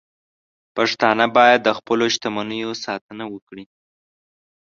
پښتانه باید د خپلو شتمنیو ساتنه وکړي.